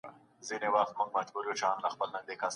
ای ړوند سړیه، له ږیري سره بې ډاره اتڼ وکړه.